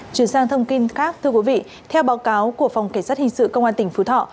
chuyển sang thông tin khác theo báo cáo của phòng cảnh sát hình sự công an tỉnh phú thọ